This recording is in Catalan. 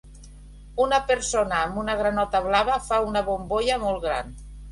Una persona amb una granota blava fa una bombolla molt gran.